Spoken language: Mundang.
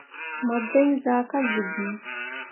Mu biŋ zaa ka zuu bii.